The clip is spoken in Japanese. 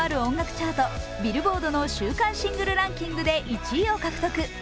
チャートビルボードのシングル週間ランキングで１位を獲得。